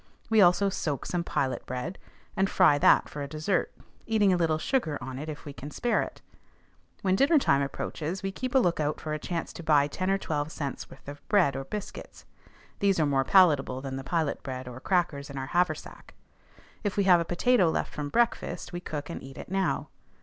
We also soak some pilot bread, and fry that for a dessert, eating a little sugar on it if we can spare it. When dinner time approaches, we keep a lookout for a chance to buy ten or twelve cents' worth of bread or biscuits. These are more palatable than the pilot bread or crackers in our haversack. If we have a potato left from breakfast, we cook and eat it now.